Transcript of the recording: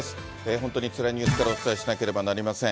本当につらいニュースからお伝えしなければなりません。